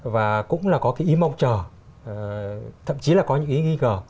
và cũng là có cái ý mong chờ thậm chí là có những ý nghi ngờ